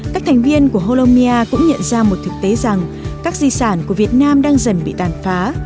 các thành viên của holombia cũng nhận ra một thực tế rằng các di sản của việt nam đang dần bị tàn phá